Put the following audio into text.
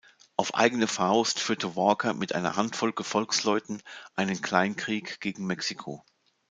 Auf eigene Faust führt Walker mit einer Handvoll Gefolgsleuten einen Kleinkrieg gegen Mexiko.